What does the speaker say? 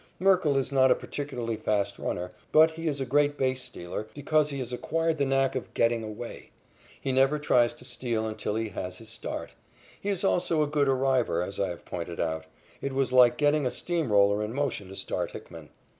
Merkle is not a particularly fast runner, but he is a great base stealer because he has acquired the knack of "getting away." He never tries to steal until he has his start. He is also a good arriver, as I have pointed out. It was like getting a steamroller in motion to start Hickman.